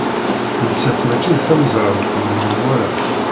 Nettat maci d tamezrawt n menwala.